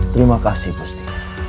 terima kasih busti